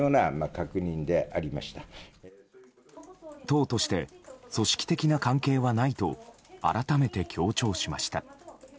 党として組織的な関係はないと改めて強調しました。